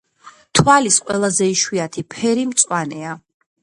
თვალის ყველაზე იშვიათი ფერი მწვანეა.